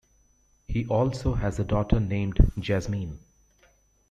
He also has a daughter named Jazmine.